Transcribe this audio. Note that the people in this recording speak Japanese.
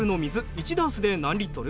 １ダースで何リットル？